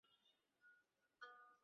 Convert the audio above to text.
আসেন, স্যার।